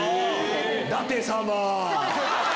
舘様！